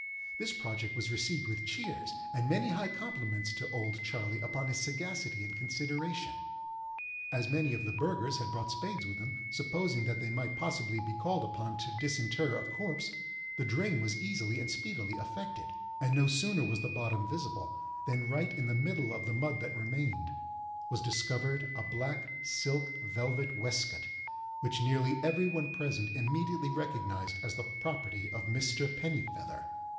This project was received with cheers, and many high compliments to "Old Charley" upon his sagacity and consideration. As many of the burghers had brought spades with them, supposing that they might possibly be called upon to disinter a corpse, the drain was easily and speedily effected; and no sooner was the bottom visible, than right in the middle of the mud that remained was discovered a black silk velvet waistcoat, which nearly every one present immediately recognized as the property of Mr. Pennifeather.